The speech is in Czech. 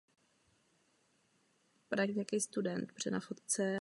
Rozkládá se ve východní části země při hranicích s Ruskem.